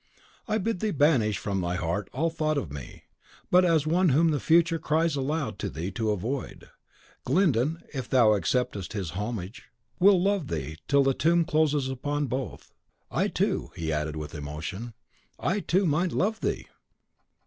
I bid thee banish from thy heart all thought of me, but as one whom the Future cries aloud to thee to avoid. Glyndon, if thou acceptest his homage, will love thee till the tomb closes upon both. I, too," he added with emotion, "I, too, might love thee!"